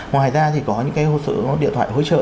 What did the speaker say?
ngoài ra thì có những điện thoại hỗ trợ